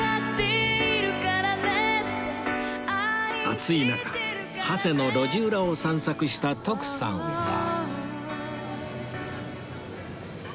暑い中長谷の路地裏を散策した徳さんは